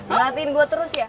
berhatiin gua terus ya